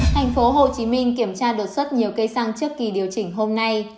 thành phố hồ chí minh kiểm tra đột xuất nhiều cây xăng trước kỳ điều chỉnh hôm nay